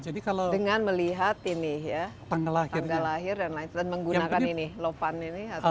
dengan melihat ini ya tanggal lahir dan lain lain menggunakan ini lopan ini